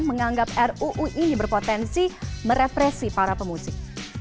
menganggap ruu ini berpotensi merepresi para pemusik